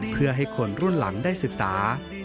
เพื่อให้คนรุ่นหลังได้ศึกษา